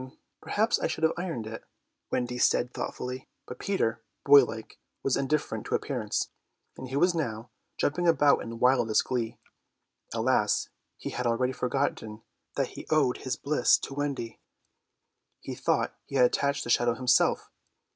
"Perhaps I should have ironed it," Wendy said thoughtfully, but Peter, boylike, was indifferent to appearances, and he was now jumping about in the wildest glee. Alas, he had already forgotten that he owed his bliss to Wendy. He thought he had attached the shadow himself.